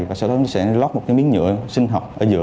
và sau đó chúng ta sẽ lót một miếng nhựa sinh học ở giữa